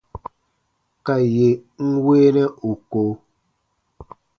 Ka yè n weenɛ ù ko.